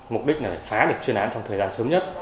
mục đích là phá được chuyên án trong thời gian sớm nhất